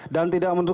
dan tidak menentukan